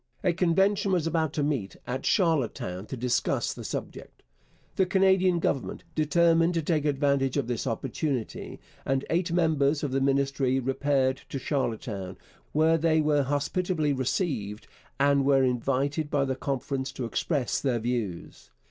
A convention was about to meet at Charlottetown to discuss the subject. The Canadian Government determined to take advantage of this opportunity, and eight members of the Ministry repaired to Charlottetown, where they were hospitably received and were invited by the conference to express their views.